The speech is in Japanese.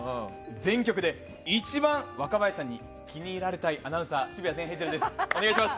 全局で一番若林さんに気に入られたいアナウンサー澁谷善ヘイゼルです。